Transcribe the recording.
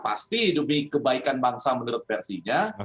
pasti demi kebaikan bangsa menurut versinya